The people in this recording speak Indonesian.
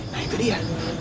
nah itu dia